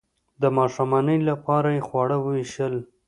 د ماښامنۍ لپاره یې خواړه ویشل.